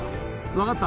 わかった。